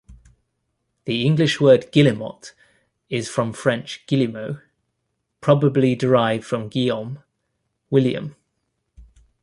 The English word "guillemot" is from French "guillemot" probably derived from "Guillaume", "William".